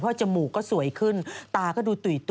เพราะว่าจมูกก็สวยขึ้นตาก็ดูตุ๋ยตุ๋ยขึ้น